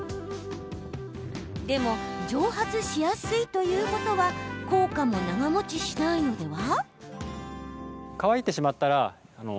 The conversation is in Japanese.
でも、蒸発しやすいということは効果も長もちしないのでは？